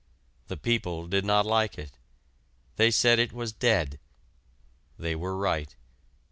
The people did not like it. They said it was dead. They were right.